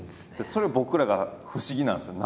それ僕らが不思議なんですよ。